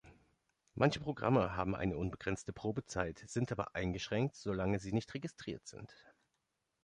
Manche Programme haben eine unbegrenzte Probezeit, sind aber eingeschränkt, solange sie nicht registriert sind.